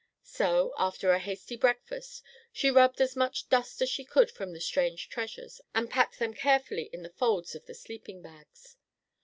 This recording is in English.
So, after a hasty breakfast, she rubbed as much dust as she could from the strange treasures and packed them carefully in the folds of the sleeping bags.